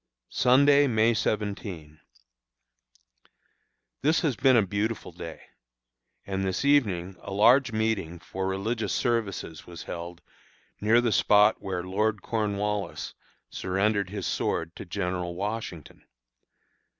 Sunday, May 17. This has been a beautiful day, and this evening a large meeting for religious services was held near the spot where Lord Cornwallis surrendered his sword to General Washington.